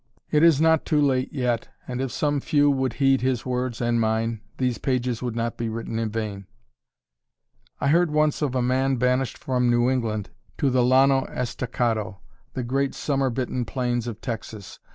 It is not too late yet and if some few would heed his words and mine, these pages would not be written in vain. I heard once of a man banished from New England to the Llano Estacado, the great summer bitten plains of Texas.